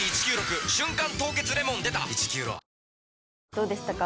どうでしたか？